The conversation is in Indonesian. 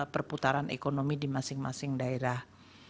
perputaran ekonomi di masing masing daerah